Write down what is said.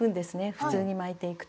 普通に巻いていくと。